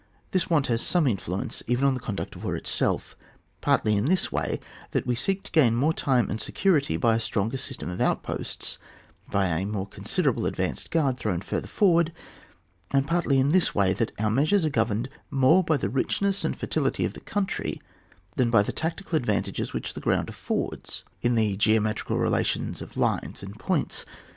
This want has some influence even on the conduct of war itself, partly in this way, that we seek to gain more time and security by a stronger system of outposts, by a more considerable ad vanced guard thrown further forward ; and partly in this way, that our measures are governed more by the richness and fertility of the country than by the tacti cal advantages which the ground affords in the geometrical relations of lines and points.